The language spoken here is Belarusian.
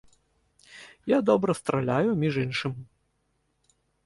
Я добра страляю, між іншым.